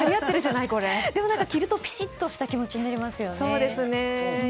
でも着るとピシッとした気持ちになりますよね。